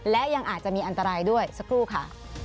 และยังอาจจะมีอันตรายด้วยสักครู่ค่ะ